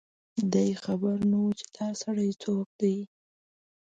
دی خبر نه و چي دا سړی څوک دی